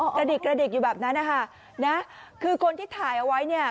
กระดิกกระดิกอยู่แบบนั้นนะคะนะคือคนที่ถ่ายเอาไว้เนี่ย